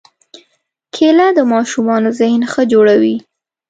کېله د ماشومانو ذهن ښه جوړوي.